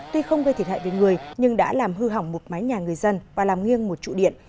tuy không gây thiệt hại về người nhưng đã làm hư hỏng một mái nhà người dân và làm nghiêng một trụ điện